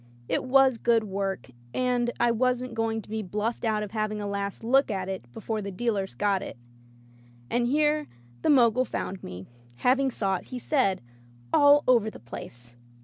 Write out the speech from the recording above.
It was good work, and I wasn't go ing to be bluffed out of having a last look at it before the dealers got it. And here the Mogul found me, having sought, he said, all over the place.